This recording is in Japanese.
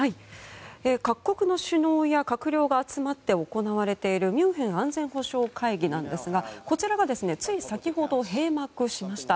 各国の首脳や閣僚が集まって行われているミュンヘン安全保障会議なんですがこちらがつい先ほど閉幕しました。